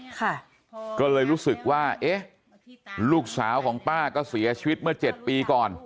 ก็เลยรู้สึกว่าเอ๊ะลูกสาวของป้าก็เสียชีวิตเมื่อเจ็ดปีก่อน